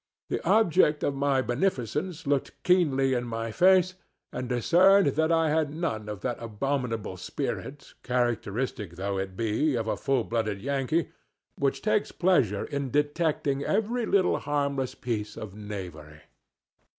The object of my beneficence looked keenly in my face, and discerned that I had none of that abominable spirit, characteristic though it be, of a full blooded Yankee, which takes pleasure in detecting every little harmless piece of knavery.